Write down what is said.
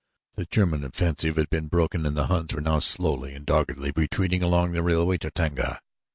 The German offensive had been broken and the Huns were now slowly and doggedly retreating along the railway to Tanga.